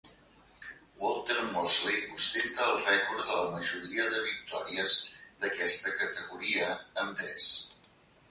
Walter Mosley ostenta el rècord de la majoria de victòries d'aquesta categoria, amb tres.